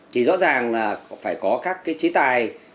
thì rõ ràng là phải có các cái chế tài